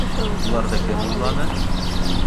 Уларҙы кем уйланы?